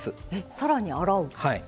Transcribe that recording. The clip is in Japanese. さらに洗う？